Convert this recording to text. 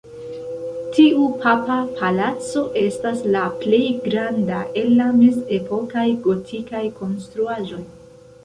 Tiu papa palaco estas la plej granda el la mezepokaj gotikaj konstruaĵoj.